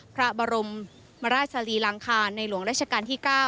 พระบรมราชลีลังคารในหลวงราชการที่๙